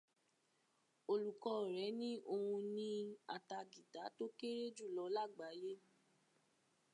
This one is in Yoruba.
Olùkọ́ rẹ̀ ní òun ni atagìtá tó kéré jùlọ lágbàáyé.